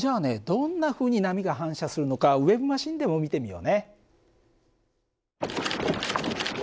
どんなふうに波が反射するのかウェーブマシンでも見てみようね。